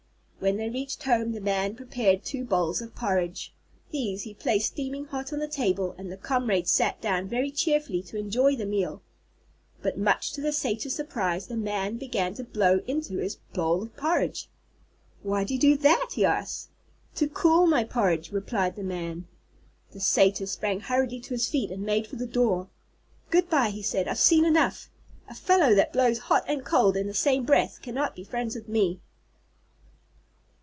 When they reached home the Man prepared two bowls of porridge. These he placed steaming hot on the table, and the comrades sat down very cheerfully to enjoy the meal. But much to the Satyr's surprise, the Man began to blow into his bowl of porridge. "Why do you do that?" he asked. "To cool my porridge," replied the Man. The Satyr sprang hurriedly to his feet and made for the door. "Goodby," he said, "I've seen enough. A fellow that blows hot and cold in the same breath cannot be friends with me!"